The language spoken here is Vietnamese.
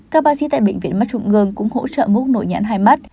các bác sĩ tại bệnh viện mắt trụng ngường cũng hỗ trợ múc nội nhãn hai mắt